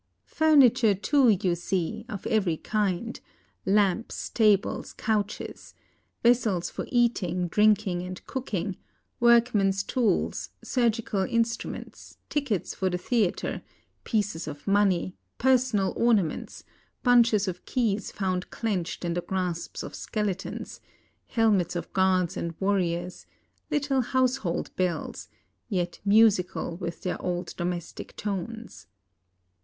Furniture, too, you see, of every kind — lamps, tables, couches; vessels for eating, drinking, and cook ing; workmen's tools, surgical instruments, tickets for the theatre, pieces of money, personal ornaments, bunches of keys found clenched in the grasp of skele tons, helmets of guards and warriors; Httle household bells, yet musical with their old domestic tones.